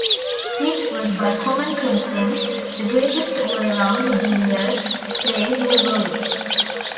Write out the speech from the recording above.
Smith was "by common consent, the greatest all-round billiards player who ever lived".